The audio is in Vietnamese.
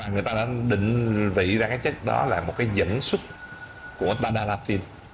người ta đã định vị ra cái chất đó là một cái dẫn xuất của badafin